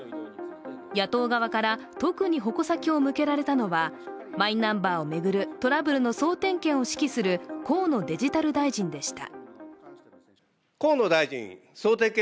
野党側から特に矛先を向けられたのはマイナンバーを巡るトラブルの総点検を指揮する河野デジタル大臣でした。